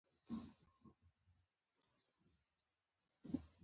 د انتقادي شعور و متن اساس دی.